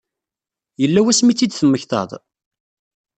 Yella wasmi i tt-id-temmektaḍ?